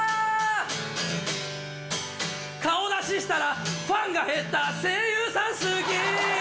顔出ししたらファンが減った声優さん、好き。